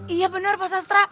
iya bener pak rete